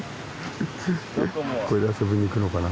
これで遊びに行くのかな？